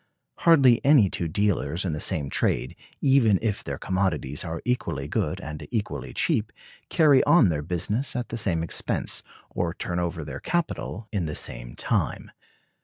Hardly any two dealers in the same trade, even if their commodities are equally good and equally cheap, carry on their business at the same expense, or turn over their capital in the same time.